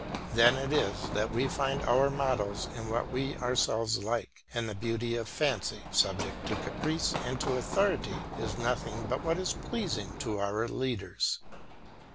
Then it is that we find our models in what we ourselves like, and the beauty of fancy, subject to caprice and to authority, is nothing but what is pleasing to our leaders.